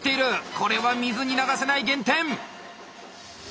これは水に流せない減点！